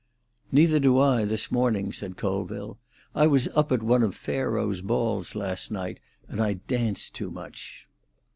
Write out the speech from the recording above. "Neither do I, this morning," said Colville. "I was up at one of Pharaoh's balls last night, and I danced too much."